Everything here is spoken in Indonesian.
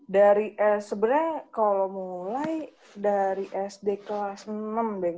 dari sebenarnya kalau mulai dari sd kelas enam